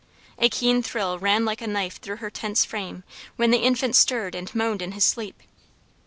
A keen thrill ran like a knife through her tense frame when the infant stirred and moaned in his sleep.